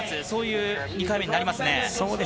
そういう２回目になりますね。